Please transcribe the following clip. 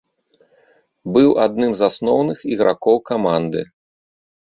Быў адным з асноўных ігракоў каманды.